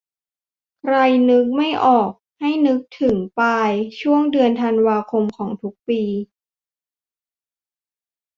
"ใครนึกไม่ออก ให้นึกถึงเมือง 'ปาย' ช่วงเดือนธันวาคมของทุกปี"